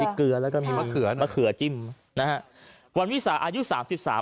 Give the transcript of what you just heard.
เกลือแล้วก็มีมะเขือมะเขือจิ้มนะฮะวันวิสาอายุสามสิบสาม